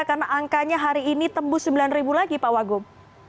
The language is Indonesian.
karena angkanya hari ini tembus sembilan lagi pak wagub